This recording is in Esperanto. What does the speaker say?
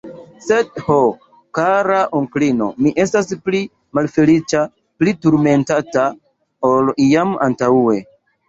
Sed, ho, kara onklino, mi estas pli malfeliĉa, pli turmentata, ol iam antaŭe.